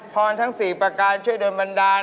พรทั้ง๔ประการช่วยโดนบันดาล